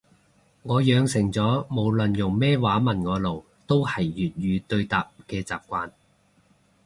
我養成咗無論用咩話問我路都係粵語對答嘅習慣